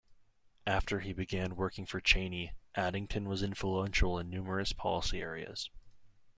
After he began working for Cheney, Addington was influential in numerous policy areas.